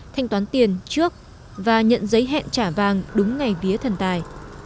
thanh toán tiền trước và nhận giấy hẹn trả vàng đúng ngày vía thần tài